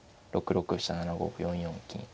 ６六飛車７五歩４四金